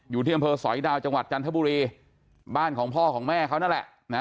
อยู่ที่อำเภอสอยดาวจังหวัดจันทบุรีบ้านของพ่อของแม่เขานั่นแหละนะ